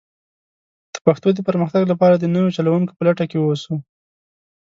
د پښتو د پرمختګ لپاره د نوو چلوونکو په لټه کې ووسو.